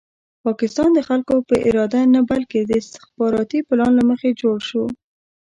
پاکستان د خلکو په اراده نه بلکې د استخباراتي پلان له مخې جوړ شو.